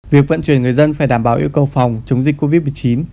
việc vận chuyển người dân phải đảm bảo yêu cầu phòng chống dịch covid một mươi chín